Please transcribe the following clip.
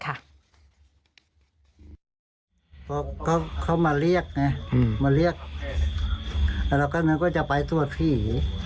เขาเข้ามาเรียกไงอืมมาเรียกแล้วเราก็นึกว่าจะไปทวดพี่